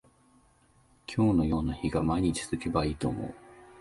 今日のような日が毎日続けばいいと思う